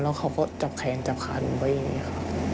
แล้วเขาก็จับแขนจับขาหนูไว้อย่างนี้ค่ะ